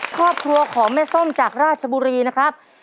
ครอบครัวของแม่ส้มจากราชบุรีนะครับ